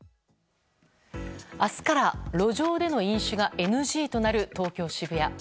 明日から路上での飲酒がＮＧとなる東京・渋谷。